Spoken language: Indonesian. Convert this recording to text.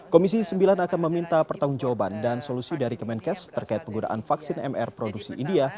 komisi sembilan akan meminta pertanggung jawaban dan solusi dari kemenkes terkait penggunaan vaksin mr produksi india